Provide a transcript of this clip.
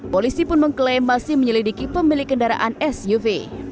polisi pun mengklaim masih menyelidiki pemilik kendaraan suv